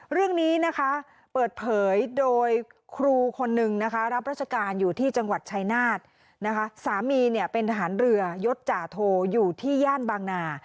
เรื่องนี้นะคะเปิดเผยโดยครูคนนึงนะคะรับราชการอยู่ที่จังหวัดชายนาฏนะคะสามีเนี่ยเป็นทหารเรือยศจ่าโทอยู่ที่ย่านบางนา